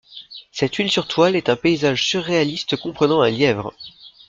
Cette huile sur toile est un paysage surréaliste comprenant un lièvre.